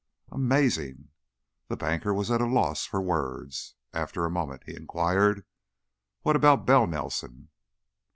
"Amazing!" The banker was at a loss for words. After a moment, he inquired: "What about Bell Nelson?"